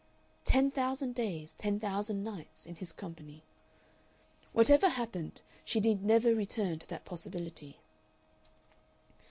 "Ten thousand days, ten thousand nights" in his company. Whatever happened she need never return to that possibility.